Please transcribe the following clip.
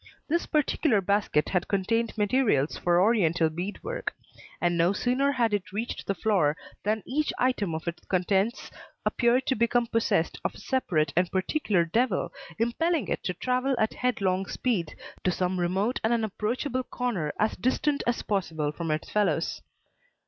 This particular basket had contained materials for Oriental bead work; and no sooner had it reached the floor than each item of its contents appeared to become possessed of a separate and particular devil impelling it to travel at headlong speed to some remote and unapproachable corner as distant as possible from its fellows.